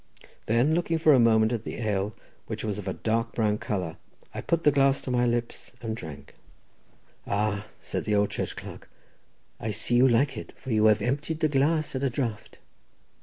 Then, looking for a moment at the ale, which was of a dark brown colour, I put the glass to my lips, and drank. "Ah," said the old church clerk, "I see you like it, for you have emptied the glass at a draught."